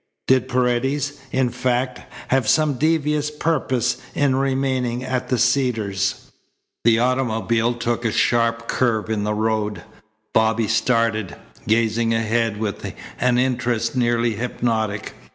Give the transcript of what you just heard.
Did Paredes, in fact, have some devious purpose in remaining at the Cedars? The automobile took a sharp curve in the road. Bobby started, gazing ahead with an interest nearly hypnotic.